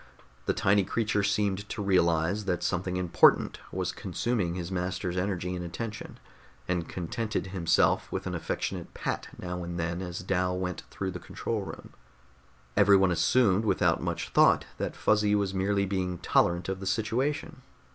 The tiny creature seemed to realize that something important was consuming his master's energy and attention, and contented himself with an affectionate pat now and then as Dal went through the control room. Everyone assumed without much thought that Fuzzy was merely being tolerant of the situation.